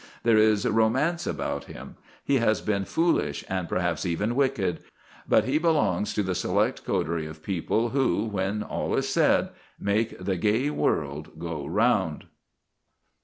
There is romance about him. He has been foolish, and perhaps even wicked; but he belongs to the select coterie of people who, when all is said, make the gay world go round.